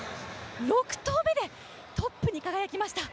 ６投目でトップに輝きました